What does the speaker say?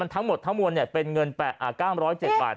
ทั้งหมดทั้งมวลเป็นเงิน๙๐๗บาท